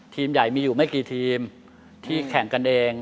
ทีมใหญ่มีอยู่ไม่กี่ทีมที่แข่งกันเอง